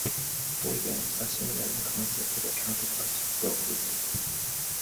Boy bands are similar in concept to their counterparts, girl groups.